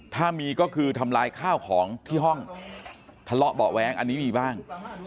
ถ้ามีก็คือทำลายข้าวของที่ห้องทะเลาะเบาะแว้งอันนี้มีบ้าง